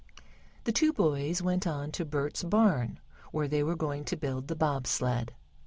The two boys went on to Bert's barn, where they were going to build the bob sled.